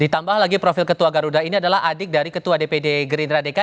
ditambah lagi profil ketua garuda ini adalah adik dari ketua dpd gerindra dki